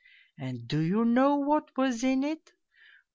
And do you know what was in it